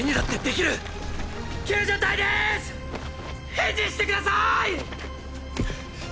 返事してくださいッ。